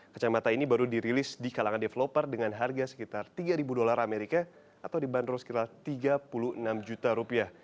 kacamata ini baru dirilis di kalangan developer dengan harga sekitar tiga dolar amerika atau dibanderol sekitar tiga puluh enam juta rupiah